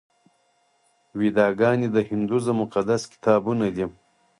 ویداګانې د هندویزم مقدس کتابونه دي.